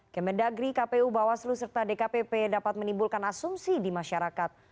kemendagri kpu bawaslu serta dkpp dapat menimbulkan asumsi di masyarakat